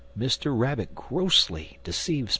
MR. RABBIT GROSSLY DECEIVES MR.